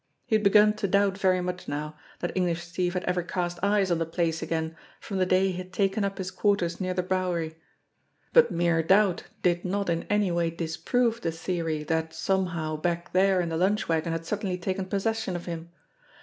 He had begun to doubt very much now that English Steve had ever cast eyes on the place again from the day he had taken up his quarters nearer the Bowery ; but mere doubt did not in any way disprove the theory that, somehow, back there in the lunch wagon, had suddenly taken possession of him.